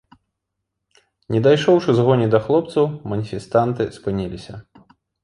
Не дайшоўшы з гоні да хлопцаў, маніфестанты спыніліся.